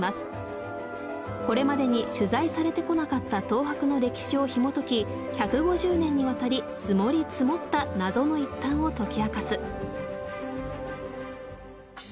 これまでに取材されてこなかったトーハクの歴史をひもとき１５０年にわたり積もり積もった謎の一端を解き明かす。